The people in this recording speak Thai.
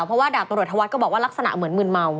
เพราะว่าดาบตำรวจธวัฒน์ก็บอกว่าลักษณะเหมือนมืนเมา